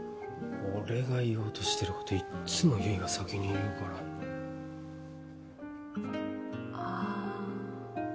俺が言おうとしてることいっつも悠依が先に言うからあ